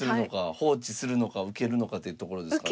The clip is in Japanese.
放置するのか受けるのかというところですかね。